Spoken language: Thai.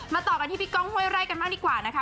มาต่อกันที่พี่กองฮวยไลน์กันมากดีกว่านะคะ